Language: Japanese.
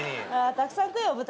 たくさん食えよ豚野郎。